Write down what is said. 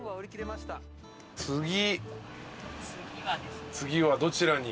次はどちらに。